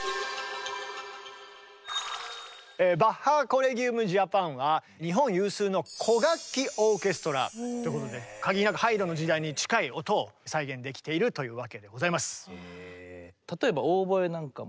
バッハ・コレギウム・ジャパンは日本有数の古楽器オーケストラっていうことで限りなくハイドンの時代に近い音を再現できているというわけでございます。